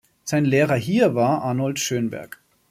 Sein Lehrer hier war Arnold Schönberg.